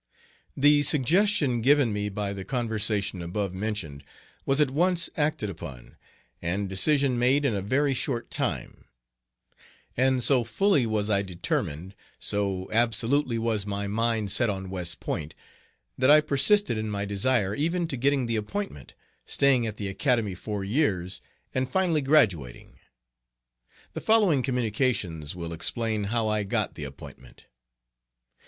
The suggestion given me by the conversation above mentioned was at once acted upon, and decision made in a very short time; and so fully was I determined, so absolutely was my mind set on West Point, that I persisted in my desire even to getting the appointment, staying at the Academy four years, and finally graduating. The following communications will explain how I got the appointment.